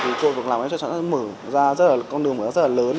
thì cơ vực làm cho chẳng hạn mở ra con đường mở ra rất là lớn